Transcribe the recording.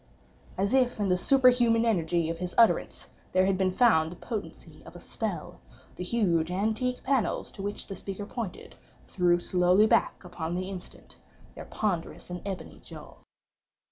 _" As if in the superhuman energy of his utterance there had been found the potency of a spell—the huge antique pannels to which the speaker pointed, threw slowly back, upon the instant, their ponderous and ebony jaws.